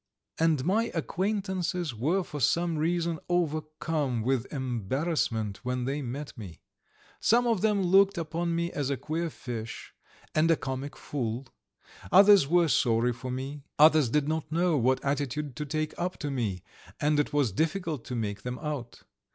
And my acquaintances were for some reason overcome with embarrassment when they met me. Some of them looked upon me as a queer fish and a comic fool; others were sorry for me; others did not know what attitude to take up to me, and it was difficult to make them out.